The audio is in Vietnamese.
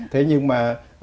thế nhưng mà